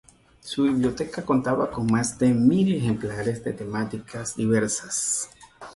Su biblioteca contaba con más de mil ejemplares de temáticas diversas.